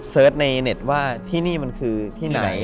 เสิร์ชในเน็ตว่าที่นี่มันคือที่ไหน